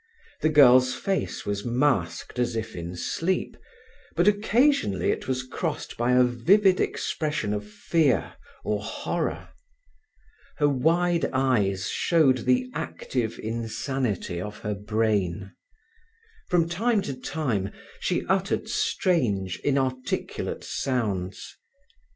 The girl's face was masked as if in sleep, but occasionally it was crossed by a vivid expression of fear or horror. Her wide eyes showed the active insanity of her brain. From time to time she uttered strange, inarticulate sounds.